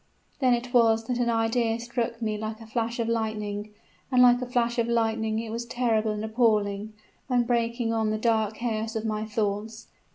Then was it that an idea struck me like a flash of lightning; and like a flash of lightning was it terrible and appalling, when breaking on the dark chaos of my thoughts.